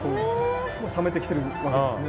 もう冷めてきてるわけですね。